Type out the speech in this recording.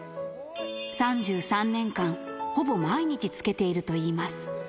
３３年間ほぼ毎日つけているといいます。